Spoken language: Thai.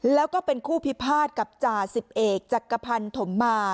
แล้วก็เป็นคู่พิภาษณ์กับจา๑๑จักรพันท่มมา